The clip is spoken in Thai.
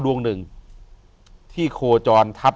อยู่ที่แม่ศรีวิรัยิลครับ